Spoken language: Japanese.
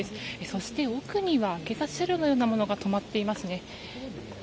そして、奥には警察車両のようなものが止まっていますね。